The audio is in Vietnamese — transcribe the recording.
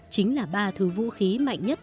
chính là ba thứ vũ khí mạnh nhất